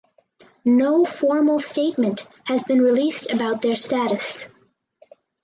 No formal statement has been released about their status.